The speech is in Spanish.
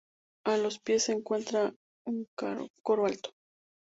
A los pies se encuentra un coro alto.